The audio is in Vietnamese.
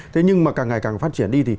thế nhưng mà càng ngày càng phát triển đi